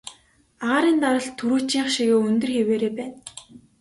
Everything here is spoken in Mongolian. Агаарын даралт түрүүчийнх шигээ өндөр хэвээрээ байна.